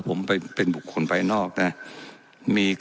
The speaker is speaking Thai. และยังเป็นประธานกรรมการอีก